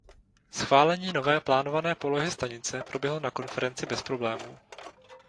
Schválení nové plánované polohy stanice proběhlo na konferenci bez problémů.